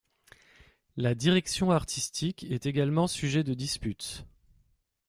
La direction artistique est également sujet de disputes.